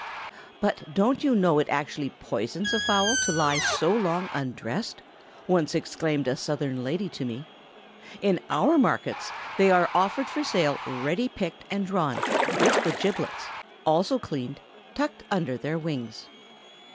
"But don't you know it actually poisons a fowl to lie so long undressed?" once exclaimed a Southern lady to me. "In our markets they are offered for sale ready picked and drawn, with the giblets—also cleaned—tucked under their wings."